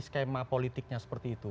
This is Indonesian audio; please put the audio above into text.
skema politiknya seperti itu